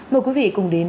mời quý vị cùng đến